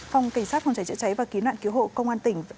phòng cảnh sát phòng cháy chữa cháy và cứu nạn cứu hộ công an tỉnh